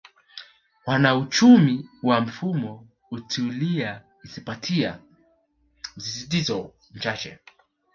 Wanauchumi wa mfumo hutilia hisabati msisitizo mchache